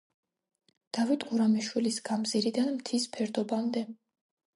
დავით გურამიშვილის გამზირიდან მთის ფერდობამდე.